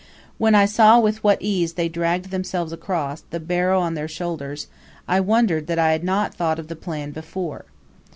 When I saw with what ease they dragged themselves across, the barrow on their shoulders, I wondered that I had not thought of the plan before.